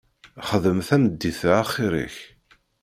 Xdem tameddit-a axir-ik.